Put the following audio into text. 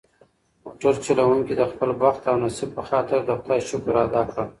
موټر چلونکي د خپل بخت او نصیب په خاطر د خدای شکر ادا کړ.